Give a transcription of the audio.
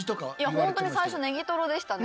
本当に最初ネギトロでしたね。